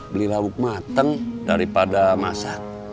beli lauk matang daripada masak